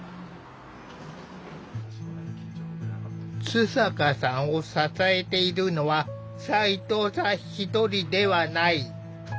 津坂さんを支えているのは斉藤さん１人ではない。